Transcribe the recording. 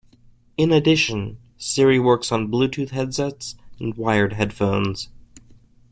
In addition, Siri works on Bluetooth headsets and wired headphones.